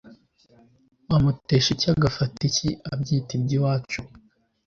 Wamutesha iki agafata iki akabyita iby'iwacu